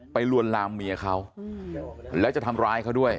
ลวนลามเมียเขาแล้วจะทำร้ายเขาด้วย